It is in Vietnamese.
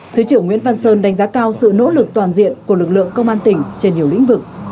thứ trưởng nguyễn văn sơn đánh giá cao sự nỗ lực toàn diện của lực lượng công an tỉnh trên nhiều lĩnh vực